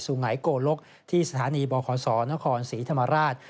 สูงไหนโกลกที่สถานีบคศนครสีธรรมราช